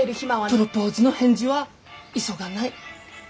プロポーズの返事は急がない。